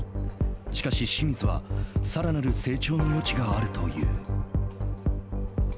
しかし、清水はさらなる成長の余地があるという。